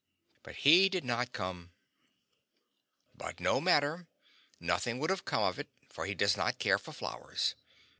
But he did not come. But no matter. Nothing would have come of it, for he does not care for flowers.